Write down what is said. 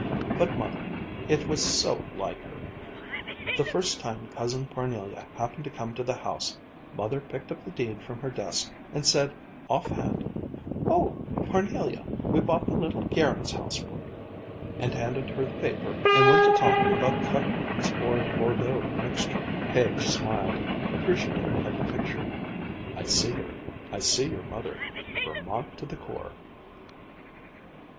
But Mother it was so like her! the first time Cousin Parnelia happened to come to the house, Mother picked up the deed from her desk and said offhand, 'Oh, Parnelia, we bought the little Garens house for you,' and handed her the paper, and went to talking about cutworms or Bordeaux mixture." Page smiled, appreciative of the picture. "I see her. I see your mother Vermont to the core."